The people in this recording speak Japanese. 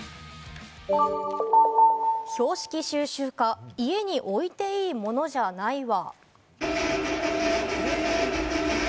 標識収集家、家に置いていいものじゃないわ。